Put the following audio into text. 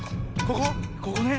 ここね。